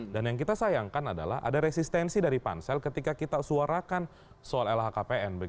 dan yang kita sayangkan adalah ada resistensi dari pansel ketika kita suarakan soal lhkpn